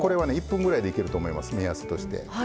１分ぐらいでいけると思います目安として。